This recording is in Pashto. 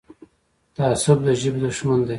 تعصب د ژبې دښمن دی.